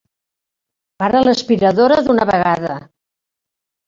Para l'aspiradora d'una vegada!